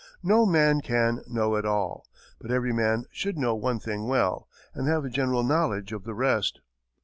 No man can "know it all." But every man should know one thing well, and have a general knowledge of the rest.